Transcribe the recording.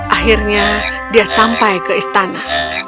akhirnya dia sampai ke istana